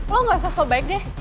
lo gak usah sobaik deh